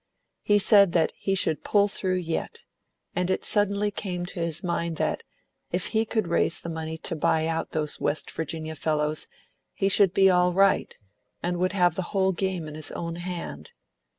He said that he should pull through yet; and it suddenly came into his mind that, if he could raise the money to buy out those West Virginia fellows, he should be all right, and would have the whole game in his own hand.